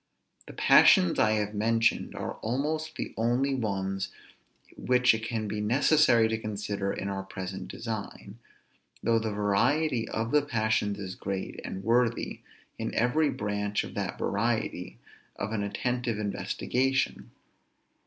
The passions I have mentioned are almost the only ones which it can be necessary to consider in our present design; though the variety of the passions is great, and worthy, in every branch of that variety, of an attentive investigation.